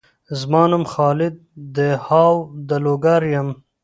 زما نوم خالد دهاو د لوګر یم